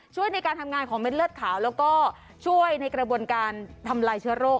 ช่วยในการทำงานของเม็ดเลือดขาวแล้วก็ช่วยในกระบวนการทำลายเชื้อโรค